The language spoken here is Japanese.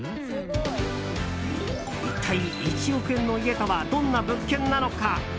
一体、１億円の家とはどんな物件なのか。